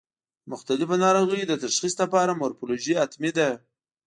د مختلفو ناروغیو د تشخیص لپاره مورفولوژي حتمي ده.